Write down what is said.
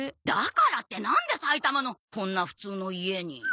だからってなんで埼玉のこんな普通の家に。